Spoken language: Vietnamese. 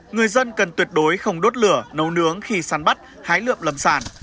người dân cần tuyệt đối không đốt lửa nấu nướng khi săn bắt hái lượm lâm sản